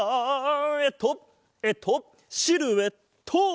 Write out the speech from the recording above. えっとえっとシルエット！